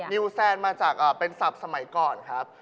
นิวแซนมาจากเป็นศัพท์สมัยก่อนครับ